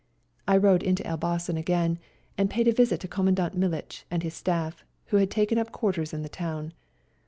I rode into Elbasan again, and paid a visit to Commandant Militch and his staff, who had taken up quarters in the town.